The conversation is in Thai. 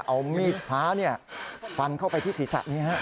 เอามีดพ้าเนี่ยพันเข้าไปที่ศรีษฐ์นี้ครับ